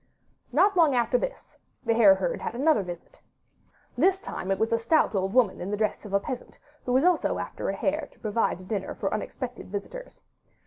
Not long after this the hare herd had another visit. This time it was a stout old woman in the dress of a peasant, who also was after a hare to provide a dinner for unexpected visitors.